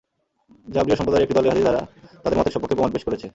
জাবরিয়া সম্প্রদায়ের একটি দল এ হাদীস দ্বারা তাদের মতের সপক্ষে প্রমাণ পেশ করেছে।